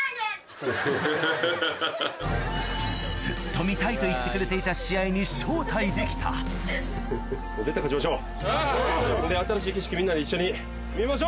ずっと見たいと言ってくれていた試合に招待できたよし！